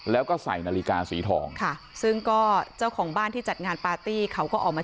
แล้วก็ใส่นาฬิกาสีทองค่ะซึ่งก็เจ้าของบ้านที่จัดงานปาร์ตี้เขาก็ออกมา